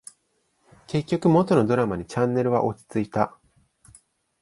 結局、元のドラマにチャンネルは落ち着いた